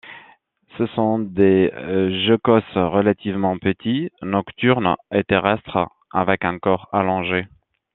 Ce sont des geckos relativement petits, nocturnes et terrestres, avec un corps allongé.